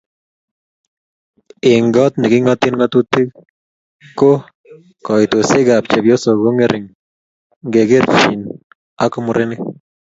Eng kot ne kingoten ngatutik ko koitosiekab chepyosok ko ngering ngekerkeit ak murenik